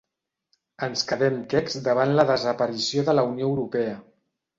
Ens quedem quecs davant la desaparició de la Unió Europea.